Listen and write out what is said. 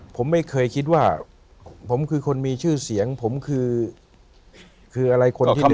ผมไม่เคยคิดว่าผมคือคนมีชื่อเสียงผมคือคืออะไรคนที่ดี